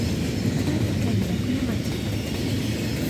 宮城県涌谷町